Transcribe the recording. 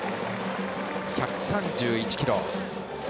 １３１キロ。